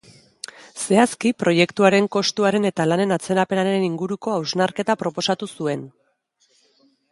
Zehazki, proiektuaren kostuaren eta lanen atzerapenaren inguruko hausnarketa proposatu zuen.